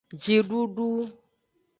Jidudu.